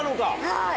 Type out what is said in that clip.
はい。